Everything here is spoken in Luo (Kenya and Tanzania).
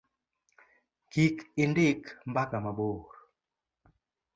kik indik mbaka mabor